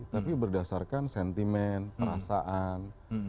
tapi berdasarkan sentimen perasaan